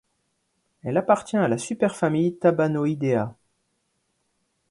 Elle appartient à la super-famille Tabanoidea.